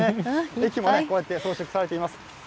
駅もこうやって装飾されています。